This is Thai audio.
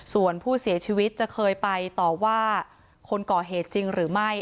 ส่วนผู้เสียชีวิตจะเคยไปต่อว่าคนก่อเหตุจริงหรือไม่